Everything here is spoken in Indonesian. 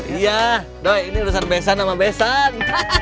iya doh ini urusan besan sama besan